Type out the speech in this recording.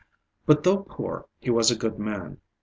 But though poor he was a good man.